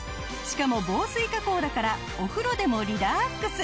しかも防水加工だからお風呂でもリラックス。